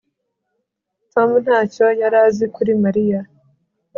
Tom ntacyo yari azi kuri Mariya